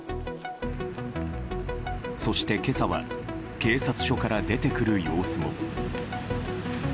そして今朝は警察署から出てくる様子も。